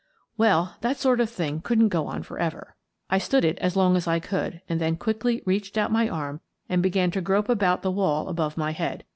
Well, that sort of thing couldn't go on for ever. I stood it as long as I could and then quickly reached out my arm and began to grope about the wall above my head.